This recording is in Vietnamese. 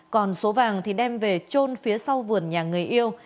còn số vàng thì đem về trôn phía sau vườn nhà người yêu